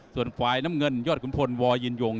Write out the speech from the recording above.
ส่วนฝ่ายน้ำเงินยอดขุนพลวอยินยง